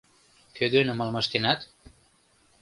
Кӧгӧным алмаштенат?